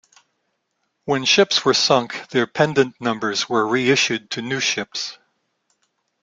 When ships were sunk, their pendant numbers were reissued to new ships.